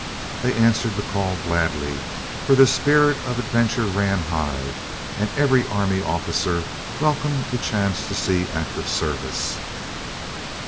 They answered the call gladly, for the spirit of adventure ran high, and every army officer welcomed the chance to see active service.